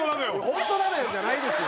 「本当なのよ」じゃないですよ。